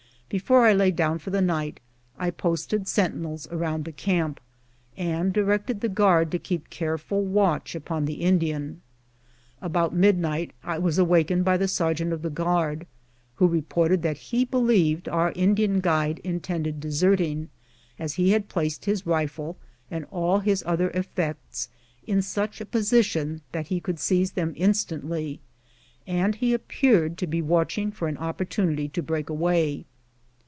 Before I lay down for the night I posted sentinels around the camp, and directed the guard to keep careful watch upon the Indian. About midnight I was awakened by the sergeant of the guard, who reported that he believed our Indian guide intended deserting, as he had placed his rifle and all his other effects in such a position that he could s6ize them instantly, and he appeared to be watch ing for an opportunity to break away.